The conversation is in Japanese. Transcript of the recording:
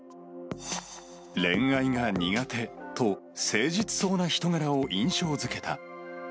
恋愛が苦手と誠実そうな人柄を印象づけた。